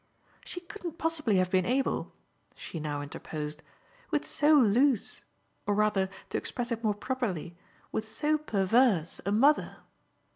"She couldn't possibly have been able," she now interposed, "with so loose or rather, to express it more properly, with so perverse a mother."